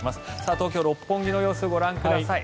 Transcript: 東京・六本木の様子ご覧ください。